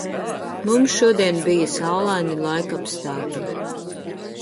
Mums šodien bija saulaini laikapstākļi.